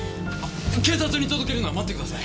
警察に届けるのは待ってください。